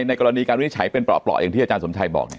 ในกรณีการวินิจฉัยเป็นเปราะอย่างที่อาจารย์สมชัยบอก